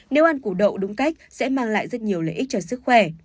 nếu ăn củ đậu đúng cách sẽ mang lại rất nhiều lợi ích cho sức khỏe